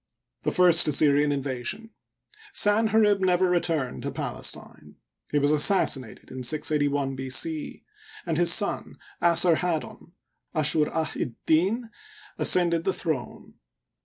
The First Assyrian Invasion. — Sanherib never returned to Palestine. He was assassinated in 68 1 B. c, and his son, Assarhaddon (Ashur ah'tddin), ascended the throne.